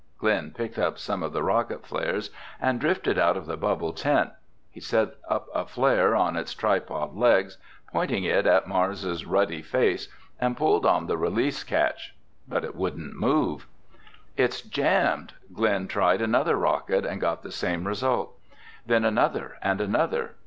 Glen picked up some of the rocket flares and "drifted" out of the bubble tent. He set up a flare on its tripod legs, pointed it at Mars' ruddy face and pulled on the release catch. But it wouldn't move. "It's jammed!" Glen tried another rocket and got the same result. Then another, and another.